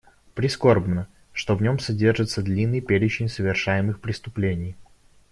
Прискорбно, что в нем содержится длинный перечень совершаемых преступлений.